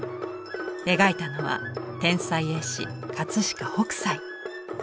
描いたのは天才絵師飾北斎。